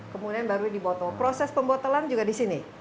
kemudian baru dibotol proses pembotolan juga di sini